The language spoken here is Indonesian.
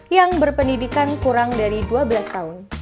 yang berpendidikan kurang dari dua belas tahun